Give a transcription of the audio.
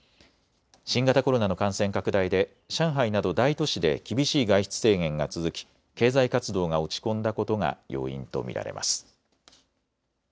新型コロナの感染拡大で上海など大都市で厳しい外出制限が続き経済活動が落ち込んだことが要因と見られます。